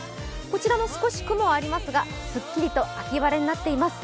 こちらも少し雲ありますが、すっきりと秋晴れとなっています。